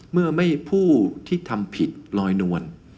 เมื่อไม่ผู้ที่ทำผิดลอยนวล